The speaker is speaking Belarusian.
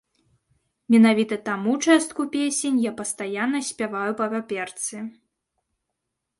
Менавіта таму частку песень я пастаянна спяваю па паперцы.